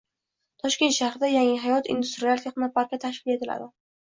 Toshkent shahrida Yangihayot industrial texnoparki tashkil etiladi